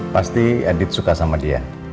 pasti adit suka sama dia